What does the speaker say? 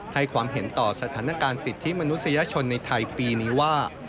ให้ความเห็นต่อสถานการณ์สิทธิมนุษยชนในไทยปีนี้ว่า